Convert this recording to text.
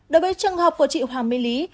đối với trường hợp của chị hoàng mê lý